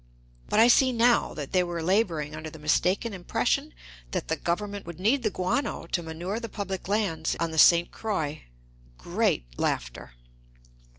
But I see now that they were laboring under the mistaken impression that the Government would need the guano to manure the public lands on the St. Croix. (Great laughter.)